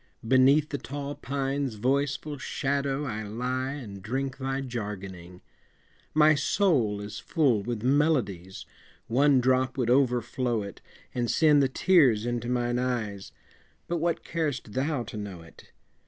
Beneath the tall pine's voiceful shadow I lie and drink thy jargoning; My soul is full with melodies, One drop would overflow it, And send the tears into mine eyes But what car'st thou to know it?